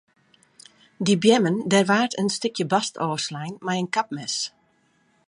Dy beammen dêr waard in stikje bast ôfslein mei in kapmes.